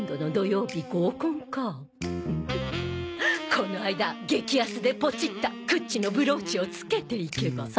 この間激安でポチったクッチのブローチを着けていけば。